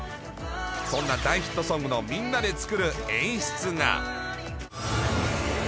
そんな大ヒットソングのみんなで作る演出が。